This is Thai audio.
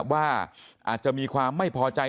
ว่าอาจจะมีความไม่พอใจ